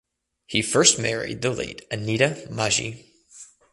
He first married the late Anita Majhi.